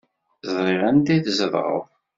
Ẓriɣ anda tzedɣeḍ.